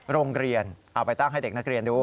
โรงเรียนเอาไปตั้งให้เด็กนักเรียนดู